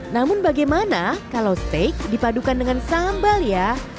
namun bagaimana kalau steak dipadukan dengan sambal ya